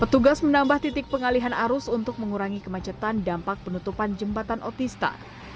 petugas menambah titik pengalihan arus untuk mengurangi kemacetan dampak penutupan jembatan otista